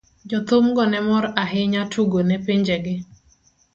jothumgo ne mor ahinya tugo ne pinjegi.